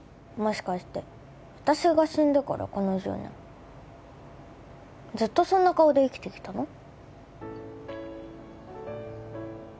もしかして私が死んでからこの１０年ずっとそんな顔で生きてきたの？